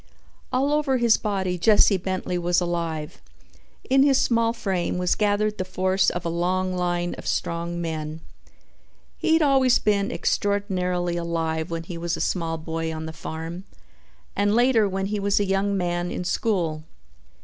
All over his body Jesse Bentley was alive. In his small frame was gathered the force of a long line of strong men. He had always been extraordinarily alive when he was a small boy on the farm and later when he was a young man in school.